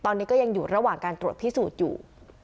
ตอนนี้ก็ยังอยู่ระหว่างการตรวจพิสูจน์อยู่